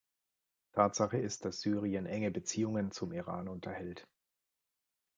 Tatsache ist, dass Syrien enge Beziehungen zum Iran unterhält.